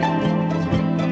apakah di dalam peroposan